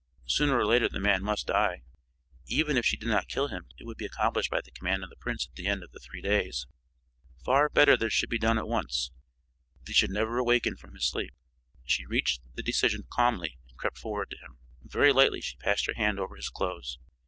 Sooner or later the man must die. Even if she did not kill him it would be accomplished by the command of the prince at the end of the three days. Far better that it should be done at once that he should never awaken from his sleep. She reached the decision calmly and crept forward to him. Very lightly she passed her hand over his clothes.